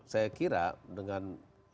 saya kira dengan